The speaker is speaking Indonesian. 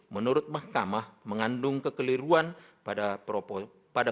menurut mahkamah mengandung kekeliruan pada